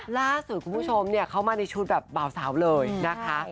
ล่าสุดคุณผู้ชมเข้ามาในชุดแบบบ่าวสาวเลยนะคะ